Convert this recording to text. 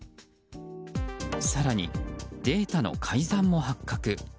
更にデータの改ざんも発覚。